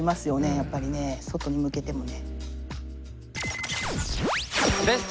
やっぱりね外に向けてもね。